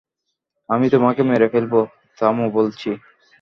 আমি তোমাকে মেরে ফেলবো, থামো বলছি!